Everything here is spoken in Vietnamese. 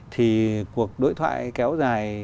thì cuộc đối thoại kéo dài